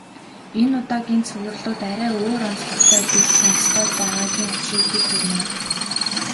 Энэ удаагийн цувралууд арай өөр онцлогтой гэж сонстоод байгаагийн учрыг хэлж өгнө үү.